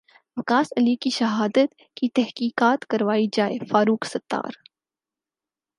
وقاص علی کی شہادت کی تحقیقات کروائی جائے فاروق ستار